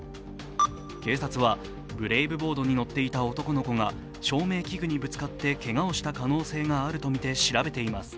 警察は、ブレイブボードに乗っていた男の子が照明器具にぶつかってけがをした可能性があるとみて調べています。